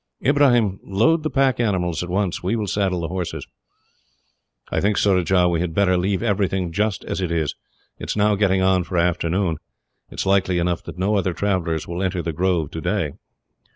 "Ibrahim, load the pack animals, at once. We will saddle the horses. "I think, Surajah, we had better leave everything just as it is. It is now getting on for the afternoon. It is likely enough that no other travellers will enter the grove today.